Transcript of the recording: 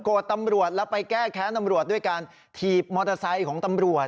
ตำรวจแล้วไปแก้แค้นตำรวจด้วยการถีบมอเตอร์ไซค์ของตำรวจ